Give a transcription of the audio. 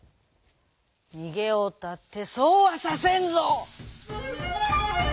「にげようったってそうはさせんぞ」。